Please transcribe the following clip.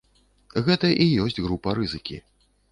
Гэта і ёсць група рызыкі.